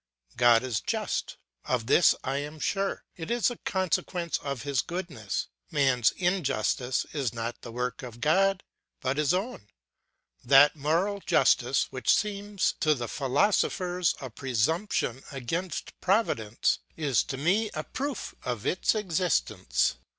God is just; of this I am sure, it is a consequence of his goodness; man's injustice is not God's work, but his own; that moral justice which seems to the philosophers a presumption against Providence, is to me a proof of its existence.